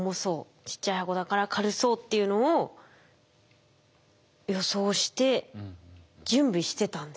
「ちっちゃい箱だから軽そう」っていうのを予想して準備してたんですね。